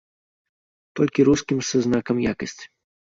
Толькі рускім са знакам якасці.